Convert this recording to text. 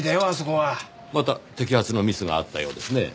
また摘発のミスがあったようですねぇ。